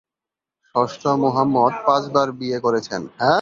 ষষ্ঠ মুহাম্মদ পাঁচবার বিয়ে করেছেন।